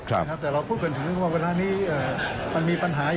แต่เราพูดกันถึงเรื่องว่าเวลานี้มันมีปัญหา